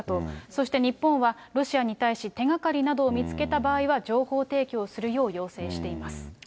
そして日本は、ロシアに対し、手がかりなどを見つけた場合は、情報提供をするよう要請しています。